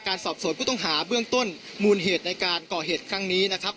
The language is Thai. สอบสวนผู้ต้องหาเบื้องต้นมูลเหตุในการก่อเหตุครั้งนี้นะครับ